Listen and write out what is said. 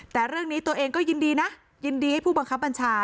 แต่เรื่องนี้ตัวเองก็ยินดีนะยินดีให้ผู้บังคับบัญชา